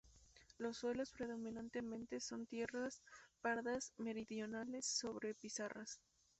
Los suelos predominantemente son tierras pardas meridionales sobre pizarras.